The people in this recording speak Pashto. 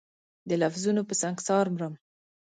د لفظونو په سنګسار مرم